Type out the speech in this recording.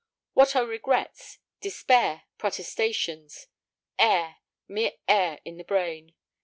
What are regrets, despair, protestations? Air—mere air in the brain!